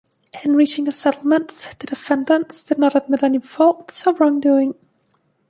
In reaching the settlement, the defendants did not admit any fault or wrongdoing.